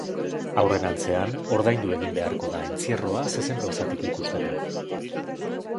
Aurrerantzean, ordaindu egin beharko da entzierroa zezen-plazatik ikusteko.